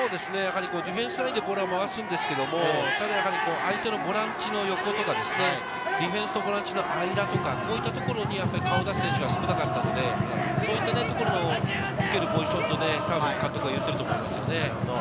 ディフェンスラインでボールは回すんですけど、相手のボランチの横とか、ディフェンスとボランチの間とか、こういったところに顔を出す選手が少なかったので、そういったところを受けるポジションを監督は言っていると思います。